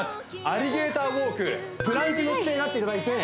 アリゲーターウォークプランクの姿勢になっていただいて